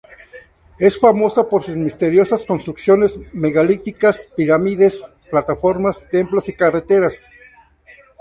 Es famosa por sus misteriosas construcciones megalíticas: pirámides, plataformas, templos y carreteras.